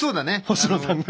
星野さんが。